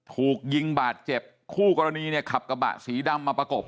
ถูกยิงบาดเจ็บคู่กรณีเนี่ยขับกระบะสีดำมาประกบ